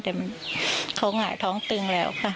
แต่เขาหงายท้องตึงแล้วค่ะ